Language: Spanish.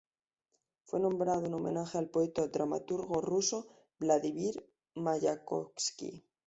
Fue nombrado en homenaje al poeta dramaturgo ruso Vladímir Mayakovski.